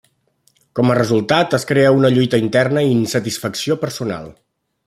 Com a resultat es crea una lluita interna i insatisfacció personal.